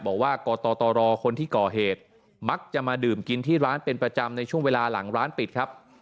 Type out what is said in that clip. บอกว่ากตรคนที่ก่อเหตุมักจะมาดื่มกินที่ร้านเป็นประจำในช่วงเวลาหลังร้านปิดครับ